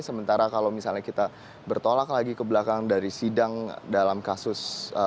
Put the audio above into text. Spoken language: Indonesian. sementara kalau misalnya kita bertolak lagi ke belakang dari sidang dalam kasus